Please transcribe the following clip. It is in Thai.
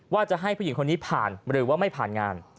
ว่าจะให้ผู้หญิงคนนี้ผ่านหรือว่าไม่ผ่านงาน